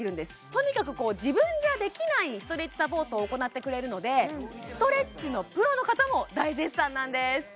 とにかく自分じゃできないストレッチサポートを行ってくれるのでストレッチのプロの方も大絶賛なんです